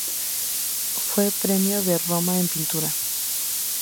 Fue Premio de Roma en pintura.